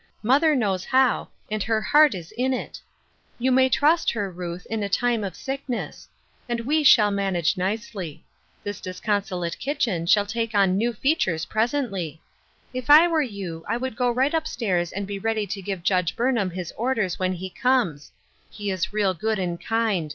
Mother knows how, and her heart is in it. You may trust her, Ruth, in a time of The Cross of Helplessness. 195 gickness. And we shall manage nicely. This disconsolate kitchen shall take on new features presently. If I were you I would go right up stairs and be ready to give Judge Burnham his orders when he comes. He is real good and kind.